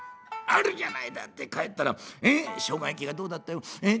「あるじゃないだって帰ったらしょうが焼きがどうだったよ。え？